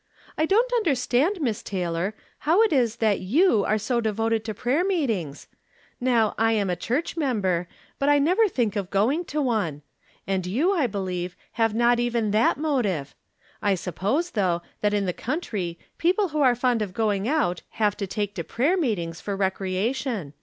"I don't "understand. Miss Taylor, how it is that you are so devoted to prayer meetings ? Now, I am a church member, but I never think of going to one ; and you, I believe, have not even that motive. I suppose, though, that in the country, people who are fond of going out have to take to prayer meetings for recrea tion.